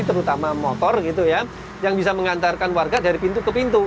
terutama motor gitu ya yang bisa mengantarkan warga dari pintu ke pintu